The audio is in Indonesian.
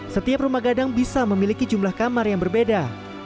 setiap rumah gadang bisa memiliki jumlah kamar yang berbeda